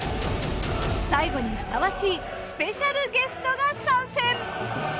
最後にふさわしいスペシャルゲストが参戦！